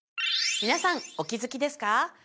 皆さんお気づきですか？